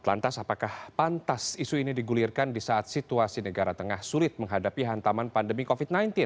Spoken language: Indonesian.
lantas apakah pantas isu ini digulirkan di saat situasi negara tengah sulit menghadapi hantaman pandemi covid sembilan belas